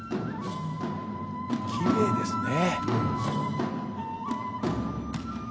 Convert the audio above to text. きれいですね。